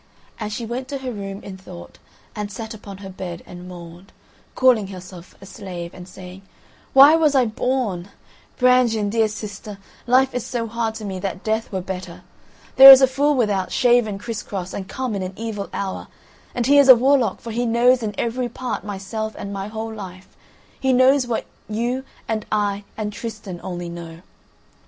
And she went to her room in thought and sat upon her bed and mourned, calling herself a slave and saying: "Why was I born? Brangien, dear sister, life is so hard to me that death were better! There is a fool without, shaven criss cross, and come in an evil hour, and he is warlock, for he knows in every part myself and my whole life; he knows what you and I and Tristan only know."